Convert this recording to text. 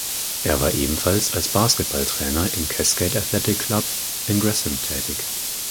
Er war ebenfalls als Basketballtrainer im Cascade Athletic Club in Gresham tätig.